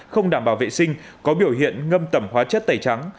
không đảm bảo vệ sinh có biểu hiện ngâm tẩm hóa chất tẩy trắng